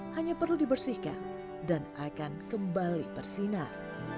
hanya perlu dibersihkan dan akan kembali bersinar